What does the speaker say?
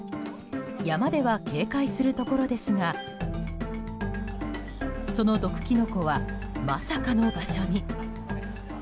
山では警戒するところですがその毒キノコはまさかの場所に。